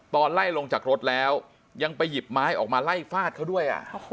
ตอนไล่ลงจากรถแล้วยังไปหยิบไม้ออกมาไล่ฟาดเขาด้วย